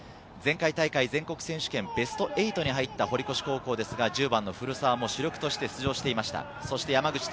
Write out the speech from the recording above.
１０番の古澤希竜、前回大会、全国選手権ベスト８に入った堀越高校ですが、１０番の古澤も主力として出場してました。